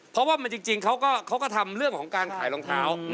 เพราะว่าจริงเขาก็ทำเรื่องของการขายรองเท้า